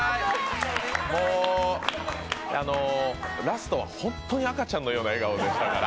ラストは本当に赤ちゃんのような笑顔でしたから。